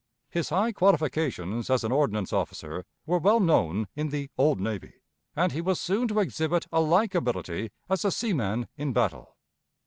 His high qualifications as an ordnance officer were well known in the "old navy," and he was soon to exhibit a like ability as a seaman in battle.